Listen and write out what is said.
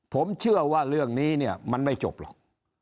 ผมเชื่อว่าเรื่องนี้เนี่ยมันไม่จบหรอก